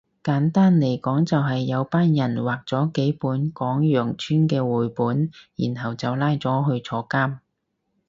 簡單嚟講就係有班人畫咗幾本講羊村嘅繪本然後就拉咗去坐監